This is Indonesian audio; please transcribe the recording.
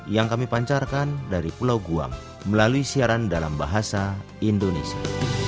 yang kami pancarkan dari pulau guam melalui siaran dalam bahasa indonesia